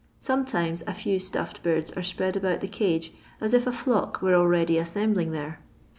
Sometimes a few stuffed birds are spread about the cage as if a flock were already assembling there.